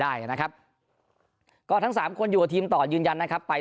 ได้นะครับก็ทั้งสามคนอยู่กับทีมต่อยืนยันนะครับไป